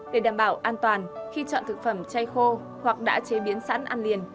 để đảm bảo an toàn khi chọn thực phẩm chay khô hoặc đã chế biến sẵn ăn liền